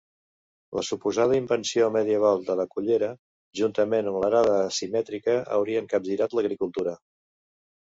La suposada invenció medieval de la collera, juntament amb l'arada asimètrica haurien capgirat l'agricultura.